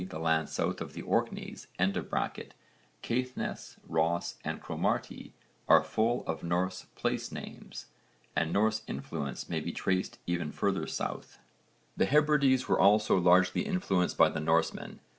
the land south of the Orkneys), Caithness, Ross and Cromarty are full of Norse place names, and Norse influence may be traced even further south. The Hebrides were also largely influenced by the Norsemen.